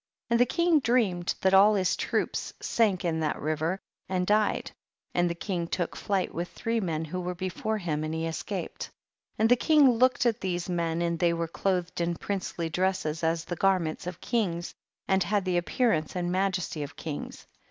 47. And tiie king dreamed that all his troops sank in that river and died, and the king took flight with three men who were before huu and he escaped. 48. And the king looked at these men and tiiev were clothed in prince ly dresses as the garments of kings, and had the appearance and majesty of kings.